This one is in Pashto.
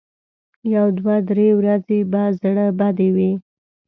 یو دوه درې ورځې به زړه بدې وي.